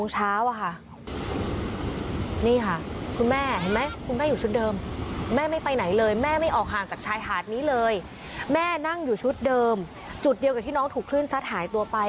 ชายหาดนี้เลยแม่นั่งอยู่ชุดเดิมจุดเดียวกับที่น้องถูกคลื่นซัดหายตัวไป